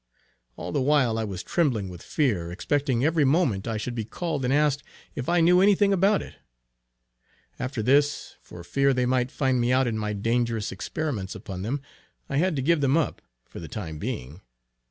All the while, I was trembling with fear, expecting every moment I should be called and asked if I knew any thing about it. After this, for fear they might find me out in my dangerous experiments upon them, I had to give them up, for the time being.